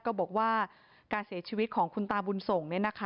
ก็บอกว่าการเสียชีวิตของคุณตาบุญส่ง